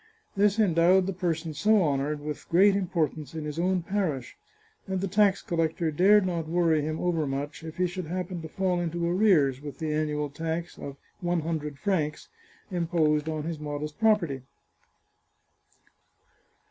This endowed the person so honoured with great importance in his own parish, and the tax collector dared not worry him overmuch, if he should happen to fall into arrears with the annual tax of one hundred francs imposed on his modest property.